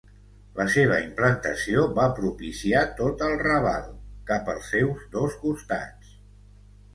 La seva implantació va propiciar tot el raval, cap als seus dos costats.